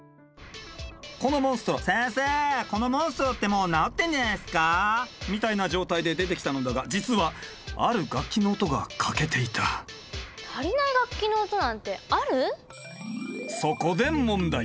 このモンストロ「先生このモンストロってもう治ってんじゃないっすかあ？」みたいな状態で出てきたのだが実はある楽器の音が欠けていた足りない楽器の音なんてある？